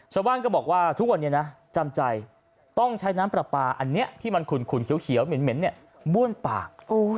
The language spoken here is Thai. ชาวบ้านก็บอกว่าทุกวันนี้นะจำใจต้องใช้น้ำประปาอันเนี้ยที่มันขุนขุนเขียวเขียวเหม็นเหม็นเนี้ยบ้วนปาก